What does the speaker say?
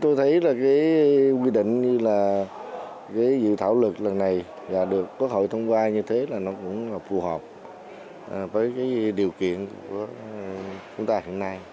tôi thấy là cái quy định như là cái dự thảo luật lần này là được quốc hội thông qua như thế là nó cũng phù hợp với cái điều kiện của chúng ta hiện nay